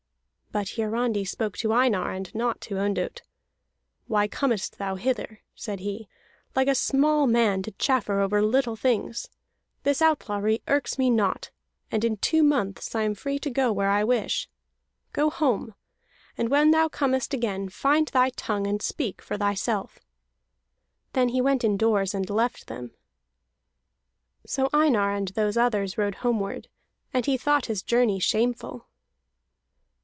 But Hiarandi spoke to Einar, and not to Ondott. "Why comest thou hither," he said, "like a small man to chaffer over little things? This outlawry irks me not, and in two months I am free to go where I wish. Go home; and when thou comest again, find thy tongue and speak for thyself!" Then he went indoors and left them. So Einar and those others rode homeward, and he thought his journey shameful.